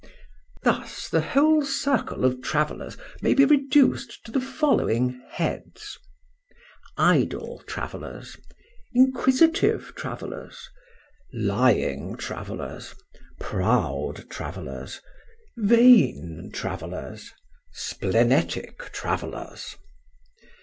Thus the whole circle of travellers may be reduced to the following heads:— Idle Travellers, Inquisitive Travellers, Lying Travellers, Proud Travellers, Vain Travellers, Splenetic Travellers.